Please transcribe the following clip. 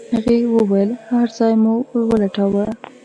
هغې وويل هر ځای مو ولټاوه.